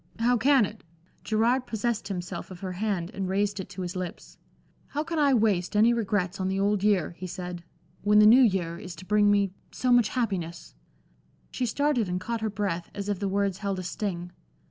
"How can it?" Gerard possessed himself of her hand and raised it to his lips. "How can I waste any regrets on the Old Year," he said, "when the New Year is to bring me so much happiness?" She started and caught her breath, as if the words held a sting.